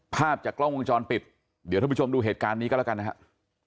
ภาพจากกล้องวงจรปิดเดี๋ยวท่านผู้ชมดูเหตุการณ์นี้ก็แล้วกันนะครับ